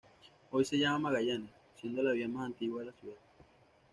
Hoy se llama Magallanes, siendo la vía más antigua de la ciudad.